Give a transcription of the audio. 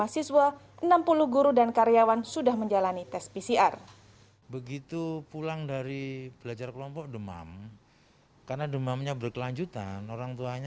tiga puluh lima siswa enam puluh guru dan karyawan sudah menjalani tes pcr